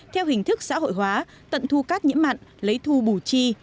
theo hình thức xã hội hóa tận thu cát nhiễm mặn lấy thu bù chi